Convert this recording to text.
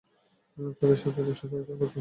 তাদের সাথে অধিক সদাচরণ করতেন।